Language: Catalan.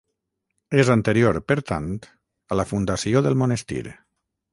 És anterior, per tant, a la fundació del monestir.